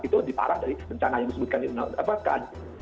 itu diparah dari bencana yang disebutkan